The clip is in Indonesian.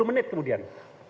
sepuluh menit kemudian